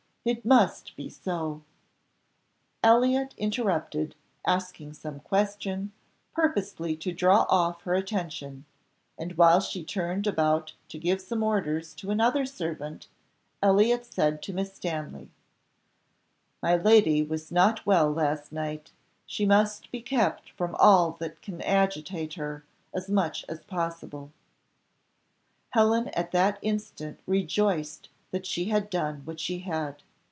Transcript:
it must be so." Elliott interrupted, asking some question, purposely to draw off her attention; and while she turned about to give some orders to another servant, Elliott said to Miss Stanley, "My Lady was not well last night; she must be kept from all that can agitate her, as much as possible." Helen at that instant rejoiced that she had done what she had.